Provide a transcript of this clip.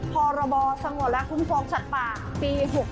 พรสคุณฟองสัตว์ป่าปี๖๒นะคะ